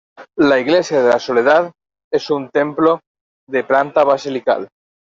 La Iglesia de la Soledad es un templo de planta basilical.